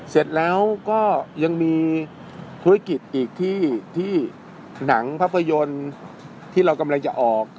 เสร็จแล้วก็ยังมีธุรกิจอีกที่ที่หนังภาพยนตร์ที่เรากำลังจะออก